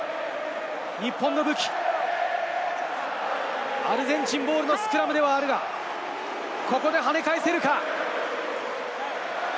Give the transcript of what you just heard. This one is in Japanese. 日本の武器、アルゼンチンボールのスクラムではあるが、ここで跳ね返せるか？